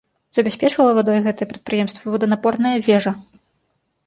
Забяспечвала вадой гэтыя прадпрыемствы воданапорная вежа.